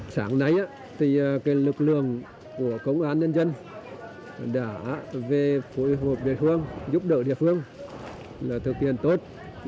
sáng nay thì lực lượng của công an nhân dân đã về phối hợp địa phương giúp đỡ địa phương là thực hiện tốt